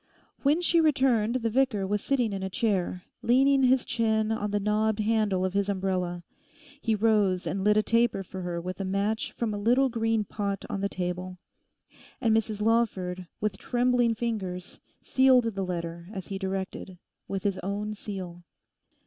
When she returned the vicar was sitting in a chair, leaning his chin on the knobbed handle of his umbrella. He rose and lit a taper for her with a match from a little green pot on the table. And Mrs Lawford, with trembling fingers, sealed the letter, as he directed, with his own seal.